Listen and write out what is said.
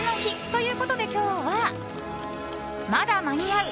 ということで今日はまだ間に合う！